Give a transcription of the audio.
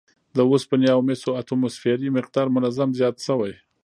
د اوسپنې او مسو اتوموسفیري مقدار منظم زیات شوی